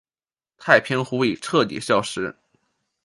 太平湖已彻底消失。